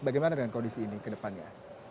bagaimana dengan kondisi ini kedepannya